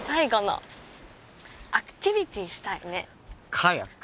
カヤック。